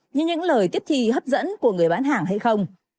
như những lời tiếp thi hấp dẫn của người bán hàng hay không